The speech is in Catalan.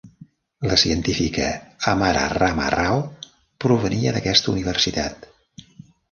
La científica Amara rama Rao provenia d'aquesta universitat.